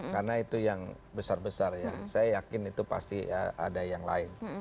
karena itu yang besar besar ya saya yakin itu pasti ada yang lain